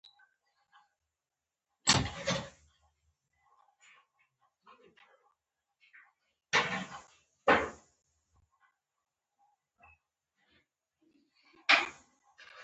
هغه ويلي وو چې تر شا ټولې بېړۍ به سوځوي.